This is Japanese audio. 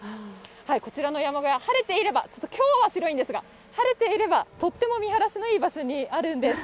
こちらの山小屋、晴れていれば、ちょっときょうは白いんですが、晴れていれば、とっても見晴らしのいい場所にあるんです。